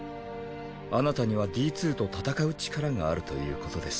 あなたにはＤ２と戦う力があるということです。